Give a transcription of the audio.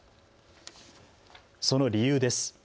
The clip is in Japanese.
その理由です。